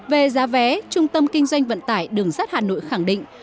về giá vé trung tâm kinh doanh vận tải đường sắt hà nội khẳng định